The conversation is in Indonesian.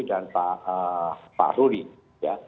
dan pak rudy ya